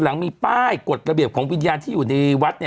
หลังมีป้ายกฎระเบียบของวิญญาณที่อยู่ในวัด